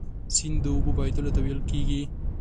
سیند د اوبو بهیدلو ته ویل کیږي.